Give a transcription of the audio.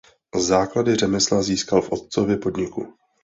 Základy řemesla získal v otcově podniku.